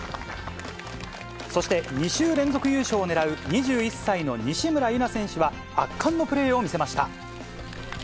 そして２週連続優勝をねらう２１歳の西村優菜選手は、圧巻のプレーを見せました。